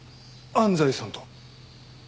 安西さんと？